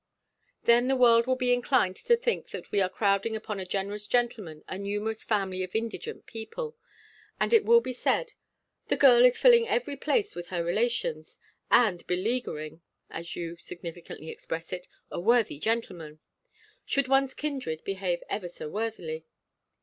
Then the world will be inclined to think that we are crowding upon a generous gentleman a numerous family of indigent people; and it will be said, "The girl is filling every place with her relations, and beleaguering," as you significantly express it, "a worthy gentleman;" should one's kindred behave ever so worthily.